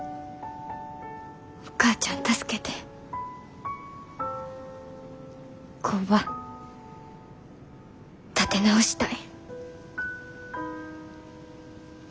お母ちゃん助けて工場立て直したい。